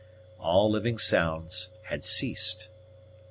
All living sounds had ceased.